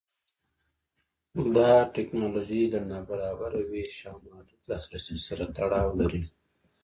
دا د ټکنالوژۍ له نابرابره وېش او محدود لاسرسي سره تړاو لري.